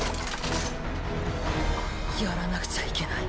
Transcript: やらなくちゃいけない